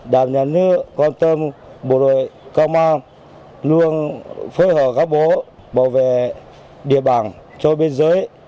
đàm nhà nước con tâm bộ đội công an luôn phối hợp các bố bảo vệ địa bảng cho bên giới